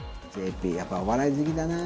ＪＰやっぱお笑い好きだな。